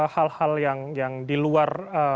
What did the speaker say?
hal hal yang di luar